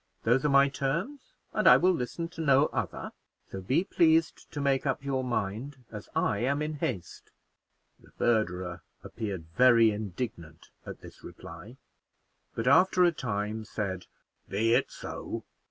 Those are my terms, and I will listen to no other; so be pleased to make up your mind, as I am in haste." The verderer appeared very indignant at this reply, but after a time said, "Be it so."